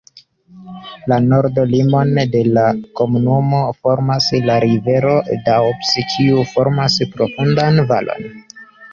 La nordan limon de la komunumo formas la rivero Doubs, kiu formas profundan valon.